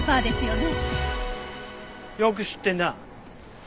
よく知ってんな。